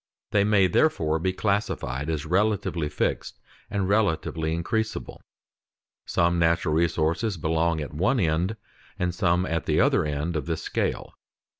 They may therefore be classed as relatively fixed and relatively increasable. Some natural resources belong at one end, and some at the other end of this scale.